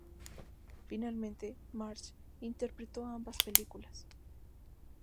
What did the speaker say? Finalmente, Marsh interpretó ambas películas.